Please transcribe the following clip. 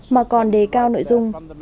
mà còn đề cao nội dung